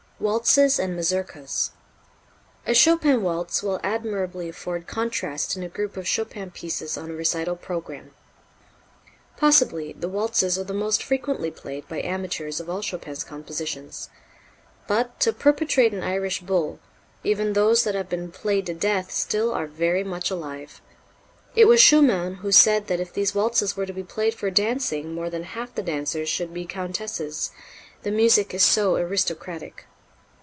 Waltzes and Mazurkas. A Chopin waltz will admirably afford contrast in a group of Chopin pieces on a recital program. Possibly the waltzes are the most frequently played by amateurs of all Chopin's compositions. But, to perpetrate an Irish bull, even those that have been played to death still are very much alive. It was Schumann who said that if these waltzes were to be played for dancing more than half the dancers should be Countesses, the music is so aristocratic.